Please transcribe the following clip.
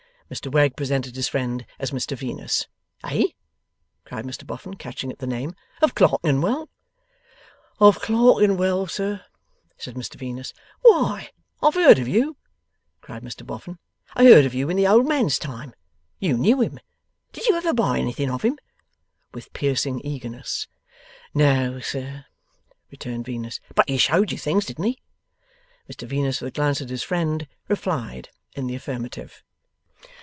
Mr Wegg presented his friend as Mr Venus. 'Eh?' cried Mr Boffin, catching at the name. 'Of Clerkenwell?' 'Of Clerkenwell, sir,' said Mr Venus. 'Why, I've heard of you,' cried Mr Boffin, 'I heard of you in the old man's time. You knew him. Did you ever buy anything of him?' With piercing eagerness. 'No, sir,' returned Venus. 'But he showed you things; didn't he?' Mr Venus, with a glance at his friend, replied in the affirmative.